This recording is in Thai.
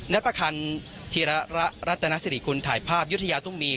นัดประคัญธรรมรัฐนาศิริคุณถ่ายภาพยุทยาตุมี